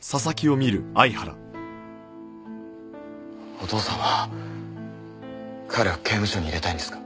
お父さんは彼を刑務所に入れたいんですか？